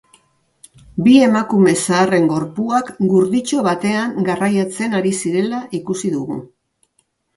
Bi emakume zaharren gorpuak gurditxo batean garraiatzen ari zirela ikusi dugu.